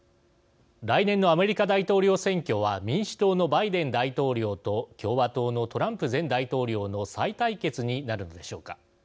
来年のアメリカ大統領選挙は民主党のバイデン大統領と共和党のトランプ前大統領の再対決になるのでしょうか。